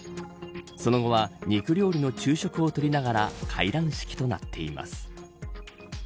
その後は、肉料理の昼食をとりながら解団式となっています。